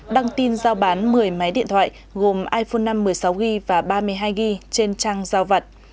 đăng tin giao bán một mươi máy điện thoại gồm iphone năm một mươi sáu gb và ba mươi hai gb trên trang giao vật